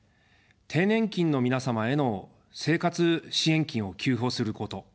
低年金の皆様への生活支援金を給付をすること。